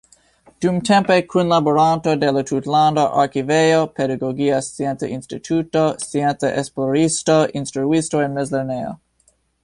Dumtempe kunlaboranto de la Tutlanda Arkivejo, Pedagogia Scienca Instituto, scienca esploristo, instruisto en mezlernejo.